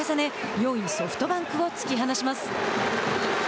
４位ソフトバンクを突き放します。